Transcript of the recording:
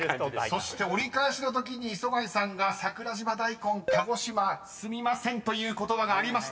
［そして折り返しのときに磯貝さんが「桜島大根『鹿児島』すみません」という言葉がありましたが。